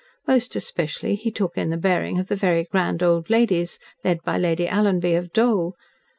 Most especially, he took in the bearing of the very grand old ladies, led by Lady Alanby of Dole.